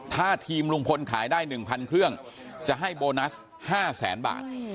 ถ้าทีมลุงพลขายได้๑๐๐เครื่องจะให้โบนัส๕แสนบาท